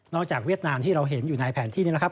เวียดนามที่เราเห็นอยู่ในแผนที่นี้นะครับ